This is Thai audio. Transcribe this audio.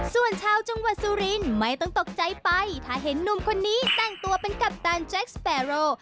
ส่วนชาวจังหวัดสุรินทร์ไม่ต้องตกใจไปถ้าเห็นหนุ่มคนนี้แต่งตัวเป็นกัปตันแจ็คสเปโร